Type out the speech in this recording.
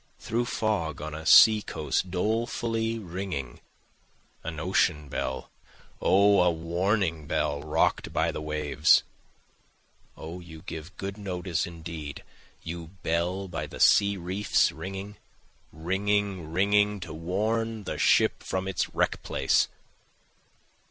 Through fog on a sea coast dolefully ringing, An ocean bell O a warning bell, rock'd by the waves. O you give good notice indeed, you bell by the sea reefs ringing, Ringing, ringing, to warn the ship from its wreck place.